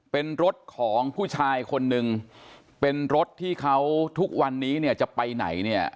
เป็นรถของผู้ชายคนหนึ่งเป็นรถที่เขาทุกวันนี้จะไปไหน